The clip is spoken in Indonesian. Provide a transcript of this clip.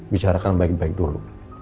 bicarakan baik baik dulu